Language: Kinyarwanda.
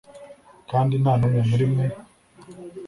kandi nta n'umwe muri mwe